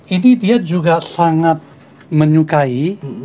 ini dia juga sangat menyukai